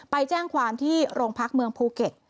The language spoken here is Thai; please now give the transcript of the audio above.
ไปแจ้งความที่โรงพักเมืองภูเก็ต